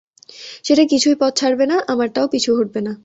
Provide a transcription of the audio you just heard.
সেটা কিছুই পথ ছাড়বে না, আমারটাও পিছু হটবে না।